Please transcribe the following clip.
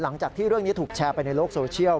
หลังจากที่เรื่องนี้ถูกแชร์ไปในโลกโซเชียล